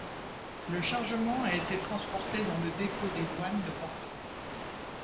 Le chargement a été transporté dans le dépôt des douanes de Bordeaux.